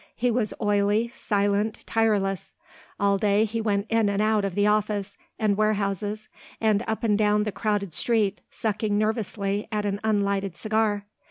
He was oily, silent, tireless. All day he went in and out of the office and warehouses and up and down the crowded street, sucking nervously at an unlighted cigar.